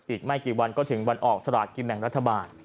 อีกไม่กี่วันก็ถึงวันออกสลากกินแบ่งรัฐบาล